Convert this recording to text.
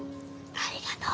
ありがとう。